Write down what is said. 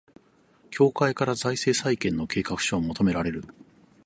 協会から財政再建の計画書を求められる